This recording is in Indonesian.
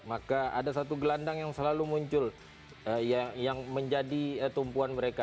maka ada satu gelandang yang selalu muncul yang menjadi tumpuan mereka